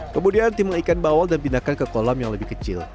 kemudian timbul ikan bawal dan pindahkan ke kolam yang lebih kecil